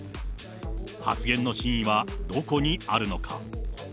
発言の真意はどこにあるのか。